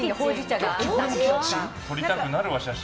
撮りたくなるわ、写真。